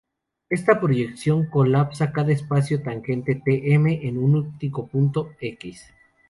Esta proyección "colapsa" cada espacio tangente "T""M" en un único punto "x".